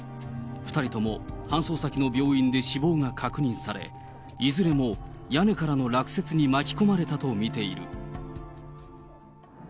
２人とも、搬送先の病院で死亡が確認され、いずれも屋根からの落雪に巻き込まれたと見ている。